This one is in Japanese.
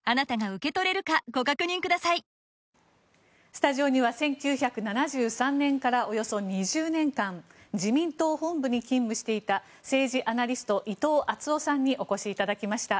スタジオには１９７３年からおよそ２０年間自民党本部に勤務していた政治アナリスト伊藤惇夫さんにお越しいただきました。